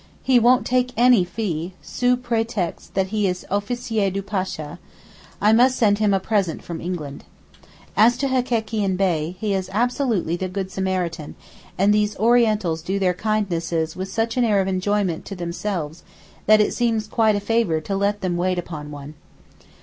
He won't take any fee, sous prétexte that he is officier du Pasha; I must send him a present from England. As to Hekekian Bey, he is absolutely the Good Samaritan, and these Orientals do their kindnesses with such an air of enjoyment to themselves that it seems quite a favour to let them wait upon one.